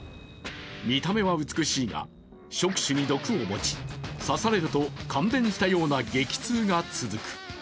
見た目は美しいが触手に毒を持ち、刺されると感電したような激痛が続く。